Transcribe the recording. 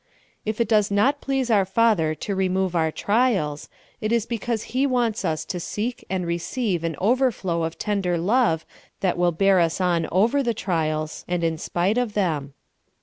If it does not please our Father to remove our trials, it is because He wants us to seek and receive an over flow of tender love that will bear us on over the trials and in spite of them.